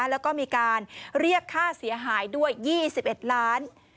แล้วก็มีการเรียกค่าเสียหายด้วย๒๑ล้าน